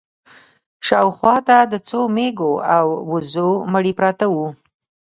شا و خوا ته د څو مېږو او وزو مړي پراته وو.